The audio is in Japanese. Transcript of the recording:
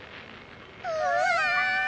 うわ！